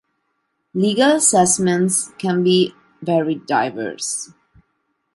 Legal assessments can be very diverse.